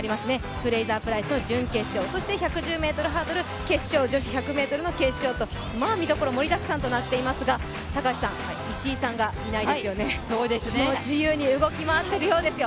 フレイザープライスの準決勝、そして１１０ｍハードルの決勝、女子１００ｍの決勝と、まあ見どころ盛りだくさんとなっていますが石井さんがいないですよね、自由に動き回っているようですよ。